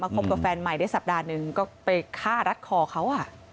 คบกับแฟนใหม่ได้สัปดาห์หนึ่งก็ไปฆ่ารัดคอเขา